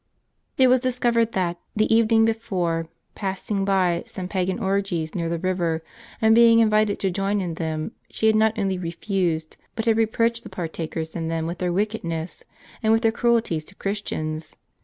It was discovered that, the evening before, passing by some Pagan orgies near uuei y,iru w the liver, and being invited to join in them, she had not only refused, but had reproached the partakers in them with their wiclcedness, and with their cruelties to Christians.